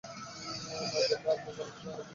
না-বললে আপনি গল্পটা ঠিক বুঝতে পারবেন না।